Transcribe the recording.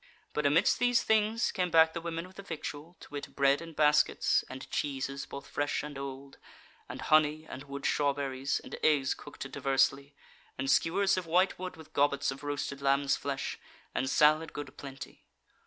But amidst these things came back the women with the victual; to wit bread in baskets, and cheeses both fresh and old, and honey, and wood strawberries, and eggs cooked diversely, and skewers of white wood with gobbets of roasted lamb's flesh, and salad good plenty.